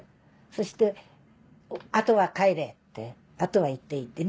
そして「あとは帰れ」って「あとは行っていい」って。